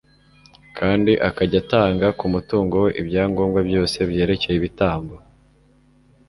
kandi akajya atanga ku mutungo we ibya ngombwa byose byerekeye ibitambo